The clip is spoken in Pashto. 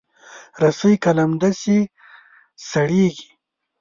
رسۍ که لمده شي، سړېږي.